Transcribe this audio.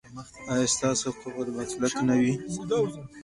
ایا ستاسو قفل به کلک نه وي؟